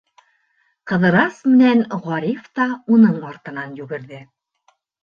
Ҡыҙырас менән Ғариф та уның артынан йүгерҙе.